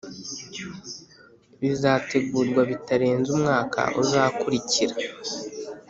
bizategurwa bitarenze umwaka uzakurikira